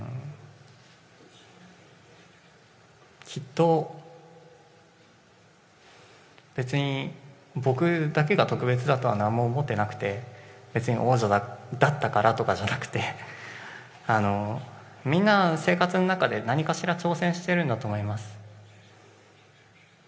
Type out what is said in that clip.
きっと別に僕だけが特別だとは何も思っていなくて、別に王者だったからとかじゃなくてみんな生活の中で何かしら挑戦しているんだと思います。